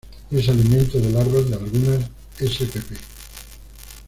Es alimento de larvas de algunas spp.